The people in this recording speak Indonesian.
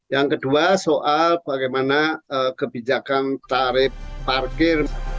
yang kedua soal bagaimana kebijakan tarif parkir